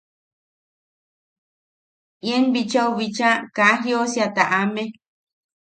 “Ien bichau... bichaa... kaa jiosia taʼame.